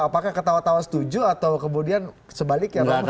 apakah ketawa tawa setuju atau kemudian sebalik ya